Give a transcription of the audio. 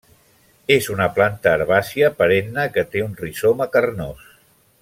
És una planta herbàcia perenne que té un rizoma carnós.